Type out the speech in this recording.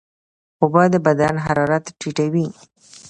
اوبه د بدن حرارت ټیټوي.